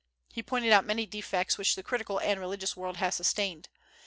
He pointed out many defects which the critical and religious world has sustained.